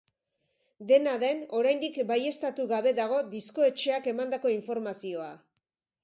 Dena den, oraindik baieztatu gabe dago diskoetxeak emandako informazioa.